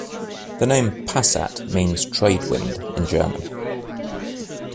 The name "Passat" means "trade wind" in German.